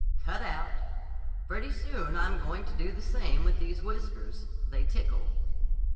"Cut out. Pretty soon I'm going to do the same with these whiskers. They tickle."